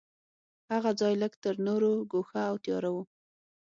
هغه ځای لږ تر نورو ګوښه او تیاره و.